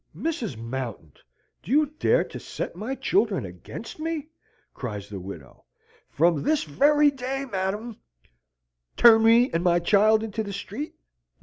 "Mrs. Mountain, do you dare to set my children against me?" cries the widow. "From this very day, madam " "Turn me and my child into the street?